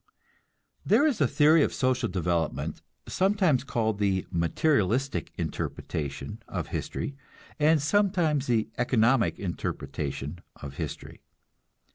There is a theory of social development, sometimes called the materialistic interpretation of history, and sometimes the economic interpretation of history.